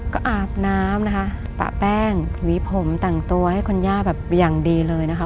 ก็อาบน้ำนะคะปะแป้งหวีผมแต่งตัวให้คุณย่าแบบอย่างดีเลยนะคะ